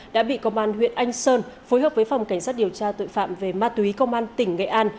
đã bị công an huyện anh sơn phối hợp với phòng cảnh sát điều tra tội phạm về ma túy công an tỉnh nghệ an